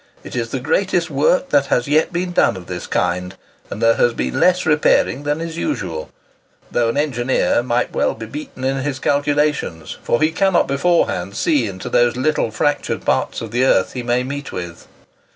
It is the greatest work that has yet been done of this kind, and there has been less repairing than is usual,—though an engineer might well be beaten in his calculations, for he cannot beforehand see into those little fractured parts of the earth he may meet with."